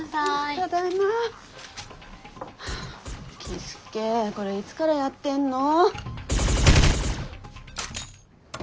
樹介これいつからやってんの。